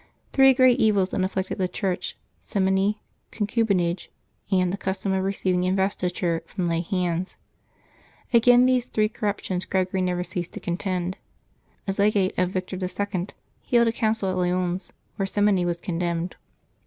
Three great evils then afflicted the Church: simony, concubinage, and the custom of receiving investiture from lay hands. Against these three corruptions Gregory never ceased to contend. x\s legate of Victor II. he held a Council at Lyons, where simony was condemned.